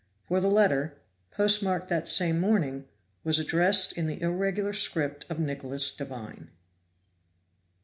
For the letter, post marked that same morning, was addressed in the irregular script of Nicholas Devine!